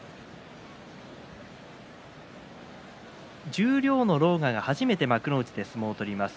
十両の狼雅が初めて幕内で相撲を取ります。